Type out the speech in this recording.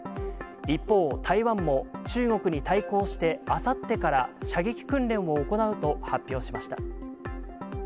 一方、台湾も中国に対抗して、あさってから射撃訓練を行うと発表しました。